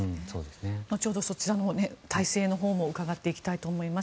後ほど、体制のほうも伺っていきたいと思います。